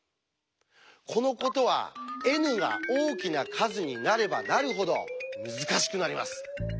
このことはＮが大きな数になればなるほど難しくなります。